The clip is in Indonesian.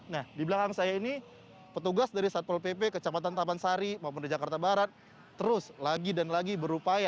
nah di belakang saya ini petugas dari satpol pp kecamatan taman sari maupun di jakarta barat terus lagi dan lagi berupaya